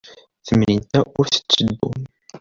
Tamrint-a ur tetteddu.